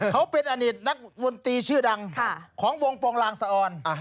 เขาเป็นอดีตนักดนตรีชื่อดังของวงโปรงลางสะออน